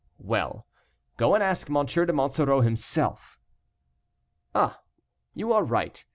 "Well! go and ask M. de Monsoreau, himself." "Ah! you are right.